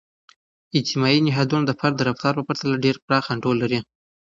اجتماعي نهادونه د فرد د رفتار په پرتله ډیر پراخ انډول لري.